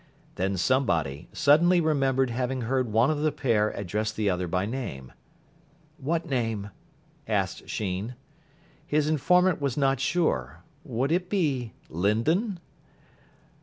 Then somebody suddenly remembered having heard one of the pair address the other by name. "What name?" asked Sheen. His informant was not sure. Would it be Lindon?